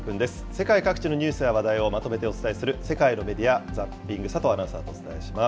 世界各地のニュースや話題をまとめてお伝えする世界のメディア・ザッピング、佐藤アナウンサーとお伝えします。